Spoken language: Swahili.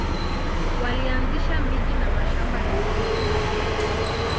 Walianzisha miji na mashamba ya miwa.